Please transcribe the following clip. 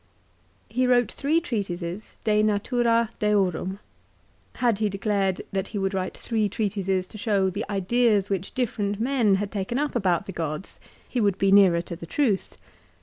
He wrote three treatises, "De Natura Deorum." Had he declared that he would write three treatises to show the ideas which different men had taken up about the gods he 358 LIFE OF CICERO. would be nearer to the truth.